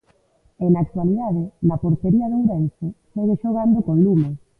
E na actualidade, na portería do Ourense, segue xogando con lume...